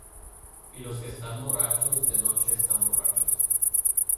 y los que están borrachos, de noche están borrachos.